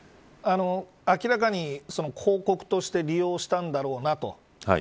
明らかに、広告として利用したんだろうなと。